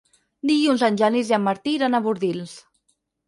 Dilluns en Genís i en Martí iran a Bordils.